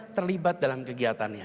terlibat dalam kegiatannya